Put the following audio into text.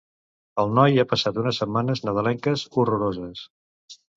El noi ha passat unes setmanes nadalenques horroroses.